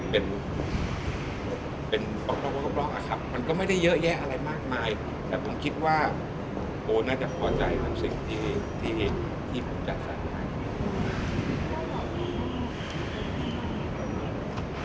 เป็นเปล่าอะครับมันก็ไม่ได้เยอะแยะอะไรมากมายแต่ผมคิดว่าโป๊นน่าจะเข้าใจทั้งสิ่งที่ผมจะสาธารณ์